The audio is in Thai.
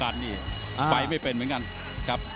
ถ้าบลัยไม่เป็นเหมือนกัน